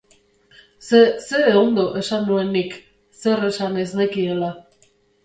Ze-ze ondo, esan nuen nik, zer esan ez nekiela.